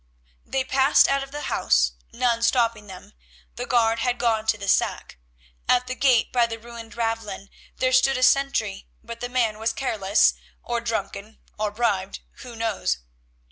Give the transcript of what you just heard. They passed out of the house, none stopping them—the guard had gone to the sack. At the gate by the ruined Ravelin there stood a sentry, but the man was careless, or drunken, or bribed, who knows?